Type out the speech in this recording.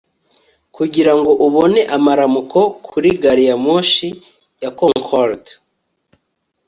Kugirango ubone amaramuko kuri gari ya moshi ya Concord